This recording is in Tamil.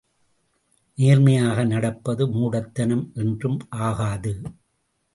நேர்மையாக நடப்பது மூடத்தனம் என்றும் ஆகாது.